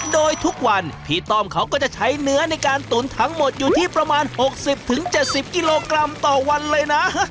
โดยทุกวันพี่ต้อมเขาก็จะใช้เนื้อในการตุ๋นทั้งหมดอยู่ที่ประมาณ๖๐๗๐กิโลกรัมต่อวันเลยนะ